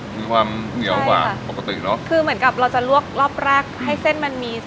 มีความเหนียวกว่าปกติเนอะคือเหมือนกับเราจะลวกรอบแรกให้เส้นมันมี